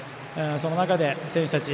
その中で、選手たち